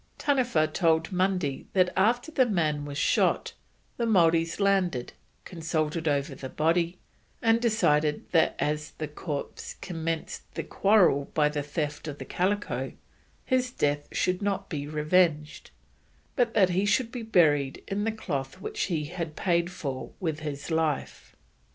Taniwha told Mundy that after the man was shot, the Maoris landed, consulted over the body, and decided that as the corpse "commenced the quarrel by the theft of the calico, his death should not be revenged, but that he should be buried in the cloth which he had paid for with his life."